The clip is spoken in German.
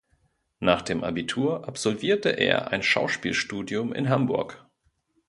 Nach dem Abitur absolvierte er ein Schauspielstudium in Hamburg.